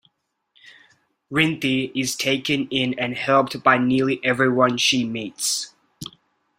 Rinthy is taken in and helped by nearly everyone she meets.